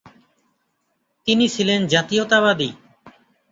তিনি ছিলেন জাতীয়তাবাদী।